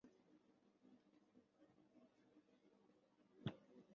担任广西花红药业股份有限公司董事长。